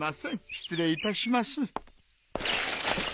失礼いたします。